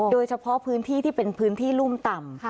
โดยเฉพาะพื้นที่ที่เป็นพื้นที่รุ่มต่ำ